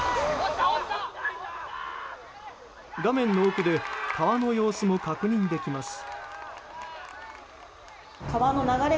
画面の奥で川の様子も確認できます。